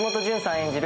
演じる